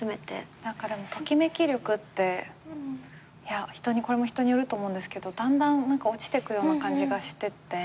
ときめき力ってこれも人によると思うんですけどだんだん落ちてくような感じがしてて。